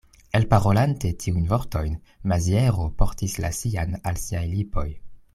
Elparolante tiujn vortojn, Maziero portis la sian al siaj lipoj.